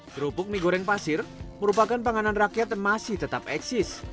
kerupuk mie goreng pasir merupakan panganan rakyat yang masih tetap eksis